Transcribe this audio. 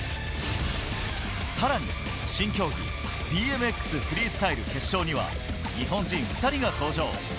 さらに新競技ＢＭＸフリースタイル決勝には日本人２人が登場。